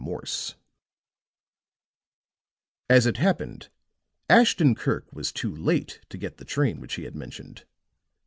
MORSE As it happened, Ashton Kirk was too late to get the train which he had mentioned.